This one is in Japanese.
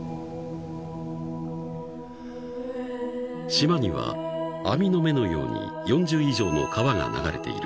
［島には網の目のように４０以上の川が流れている］